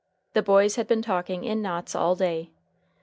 The boys had been talking in knots all day.